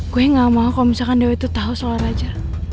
gue gak mau kalau misalkan dia itu tahu soal raja